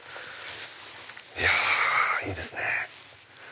いやいいですね。